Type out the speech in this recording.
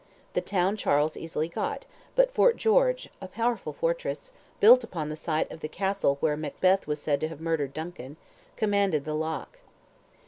The town Charles easily got, but Fort George, a powerful fortress, built upon the site of the castle where Macbeth was said to have murdered Duncan, commanded the Loch.